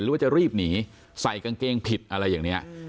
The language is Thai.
หรือว่าจะรีบหนีใส่กางเกงผิดอะไรอย่างนี้